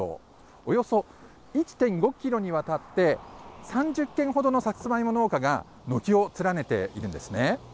およそ１．５キロにわたって、３０軒ほどのさつまいも農家が軒を連ねているんですね。